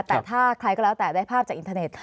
แต่ถ้าใครก็แล้วแต่ได้ภาพจากอินเทอร์เน็ต